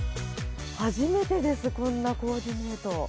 初めてですこんなコーディネート。